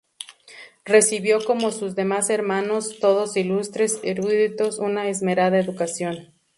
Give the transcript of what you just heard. Recibió, como sus demás hermanos, todos ilustres eruditos, una esmerada educación.